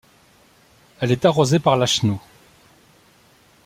Elle est arrosée par l'Acheneau.